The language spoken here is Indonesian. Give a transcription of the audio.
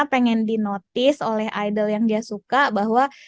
pengen di notice oleh idol yang dia suka bahwa